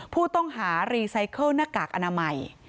ผู้ต้องหารีไซเคิลหน้ากากอนามัย